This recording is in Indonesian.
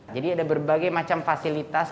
jadi ada berbagai macam fasilitas